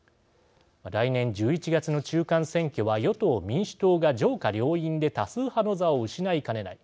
来年１１月の中間選挙は与党・民主党が上下両院で多数派の座を失いかねない。